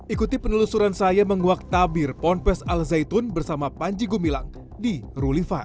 ikuti penelusuran saya menguak tabir ponpes al zaitun bersama panji gumilang di ruli van